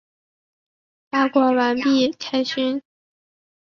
八卦完毕，开勋！